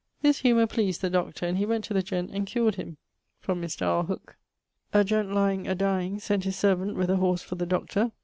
This humour pleased the Dr. and he went to the gent. and cured him Mr. R. Hooke. A gent. lying a dyeing, sent his servant with a horse for the doctor.